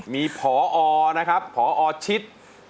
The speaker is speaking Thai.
มีพอนะครับพอชิต